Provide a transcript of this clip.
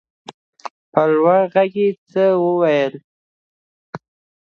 په لوړ غږ يې څه وويل.